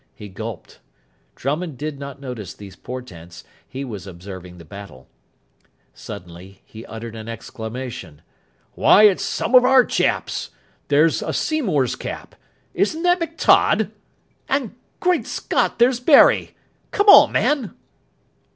He gulped. Drummond did not notice these portents. He was observing the battle. Suddenly he uttered an exclamation. "Why, it's some of our chaps! There's a Seymour's cap. Isn't that McTodd? And, great Scott! there's Barry. Come on, man!"